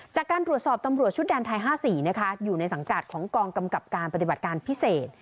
จากการตรวจสอบตำรวจชุดแดนไทย๕๔นะคะอยู่ในสังกัดของกองกำกับการปฏิบัติการพิเศษ